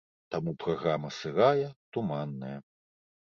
Таму праграма сырая, туманная.